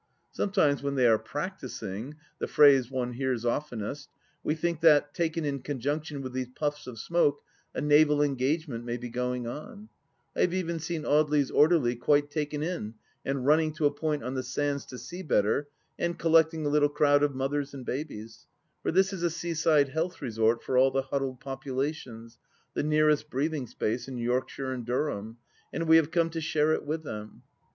Sometimes when " they are practising "— ^the phrase one hears oftenest — ^we think that, taken in conjunction with these puffs of smoke, a naval engagement may be going on ; I even have seen Audely's orderly quite taken in, and running to a point on the sands to see better, and collecting a little crowd of mothers and babies — ^for this is a seaside health resort for all the huddled populations, the nearest breathing place in Yorkshire and Durham, and we have come to share it with them.